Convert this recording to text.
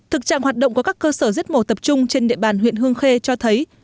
thực trạng hoạt động của các cơ sở giết mổ tập trung trên địa bàn huyện hương khê cho thấy